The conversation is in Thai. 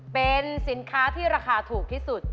เป็นสินค้าที่ราคาถูกที่สุด